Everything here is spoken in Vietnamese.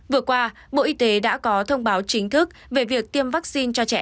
vừa qua bộ y tế đã có thông báo chính thức về việc tiêm vaccine cho trẻ em